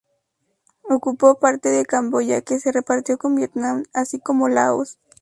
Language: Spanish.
Ocupó parte de Camboya que se repartió con Vietnam, así como Laos.